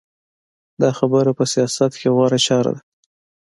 دا خبره په سیاست کې غوره چاره ده.